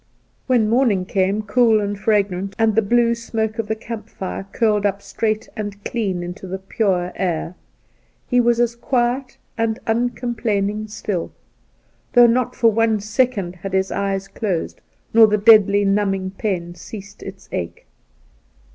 When morning came, cool and fragrant, and the blue smoke of the camp fire curled up straight and clean into the pure air, he was as quiet and uncomplaining still, though not for one second had his eyes closed nor the deadly numbing pain ceased its ache.